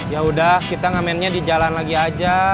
yaudah kita ngamennya di jalan lagi aja